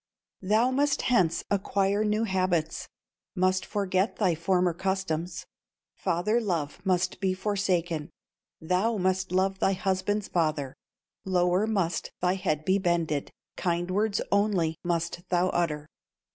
"Thou must hence acquire new habits, Must forget thy former customs, Father love must be forsaken, Thou must love thy husband's father, Lower must thy head be bended, Kind words only must thou utter.